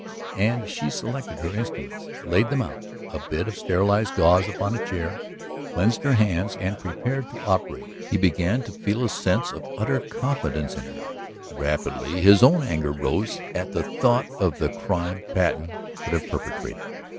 And as she selected her instruments, laid them out upon a bit of sterilized gauze upon a chair, cleansed her hands and prepared to operate he began to feel a sense of utter confidence in her. Rapidly his own anger rose at the thought of the crime Patten would have perpetrated.